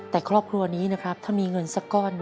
แต่ครอบครัวนี้นะครับถ้ามีเงินสักก้อนหนึ่ง